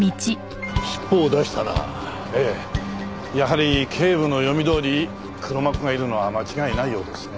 やはり警部の読みどおり黒幕がいるのは間違いないようですね。